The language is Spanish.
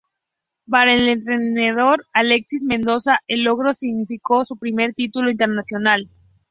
Para el entrenador Alexis Mendoza, el logro significó su primer título internacional.